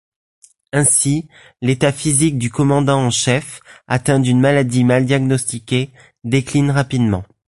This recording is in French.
Ainsi, l'état physique du commandant en chef, atteint d'une maladie mal diagnostiquée, décline rapidement.